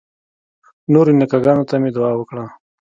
نورو نیکه ګانو ته مې دعا وکړه.